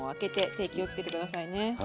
手気をつけて下さいね。